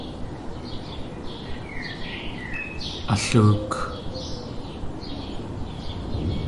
Alóok.